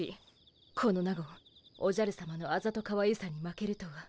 この納言おじゃるさまのあざとかわゆさに負けるとは。